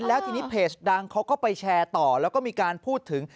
แล้วทีนี้เพจดังเขาก็ไปแชร์ต่อแล้วก็มีการพูดถึง